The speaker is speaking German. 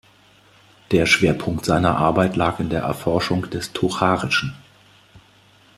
Der Schwerpunkt seiner Arbeit lag in der Erforschung des Tocharischen.